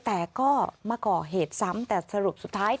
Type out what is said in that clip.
แต่ก็มาก่อเหตุซ้ำแต่สรุปสุดท้าย